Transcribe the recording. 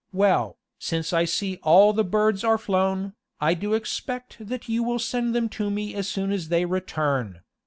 Well, since I see all the birds are flown, I do expect that you will send them to me as soon as they return.